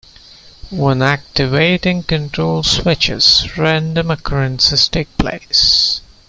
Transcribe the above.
When activating control switches, random occurrences take place.